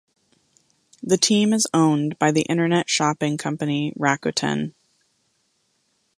The team is owned by the Internet shopping company Rakuten.